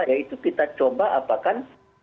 ya itu kita coba apakan